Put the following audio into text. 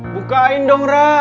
bukain dong ra